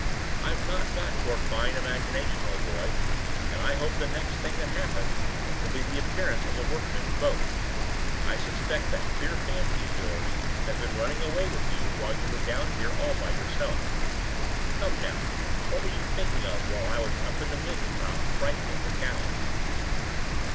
"I've not got your fine imagination, old boy; and I hope the next thing that happens will be the appearance of the workmen's boat. I suspect that queer fancy of yours has been running away with you while you were down here all by yourself. Come, now, what were you thinking of while I was up in the mizzen top frightening the cows?"